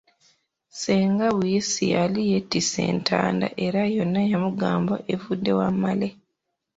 Ssenga Buyisi yali yeetisse entanda era yonna yamugamba evudde wa Male.